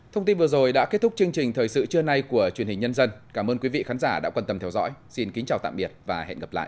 thông tin vừa rồi đã kết thúc chương trình thời sự trưa nay của truyền hình nhân dân cảm ơn quý vị khán giả đã quan tâm theo dõi xin kính chào tạm biệt và hẹn gặp lại